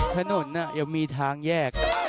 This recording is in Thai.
ถนนยังมีทางแยก